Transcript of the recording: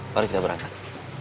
lalu kita berangkat